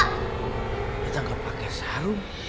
kita gak pake sarung